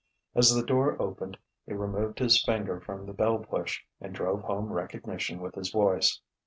As the door opened he removed his finger from the bell push, and drove home recognition with his voice.